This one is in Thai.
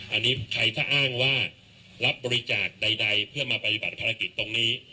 อันนี้ใครถ้าอ้างว่ารับบริจาคใดเพื่อมาปฏิบัติภารกิจตรงนี้